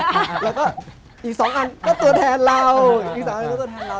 แล้วก็อีกสองอันก็ตัวแทนเราอีสานก็ตัวแทนเรา